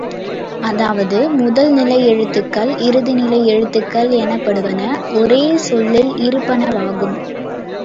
அதாவது, முதல்நிலை எழுத்துகள் இறுதிநிலை எழுத்துகள் எனப்படுவன ஒரே சொல்லில் இருப்பனவாகும்.